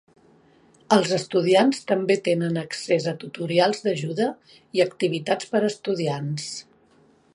Els estudiants també tenen accés a tutorials d'ajuda i activitats per a estudiants.